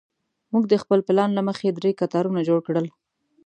موږ د خپل پلان له مخې درې کتارونه جوړ کړل.